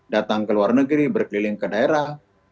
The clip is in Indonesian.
datang ke luar negeri berkeliling ke daerah